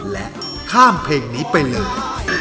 และข้ามเพลงนี้ไปเลย